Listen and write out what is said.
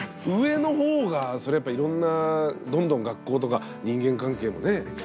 上の方がそれやっぱいろんなどんどん学校とか人間関係もね